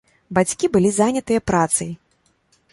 Бацькі былі занятыя працай.